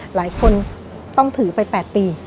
หลายคนต้องถือไป๘ปี